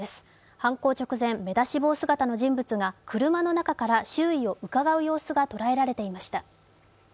犯行直前、目出し帽姿の人物が車の中から周囲をうかがう様子が捉えられていました。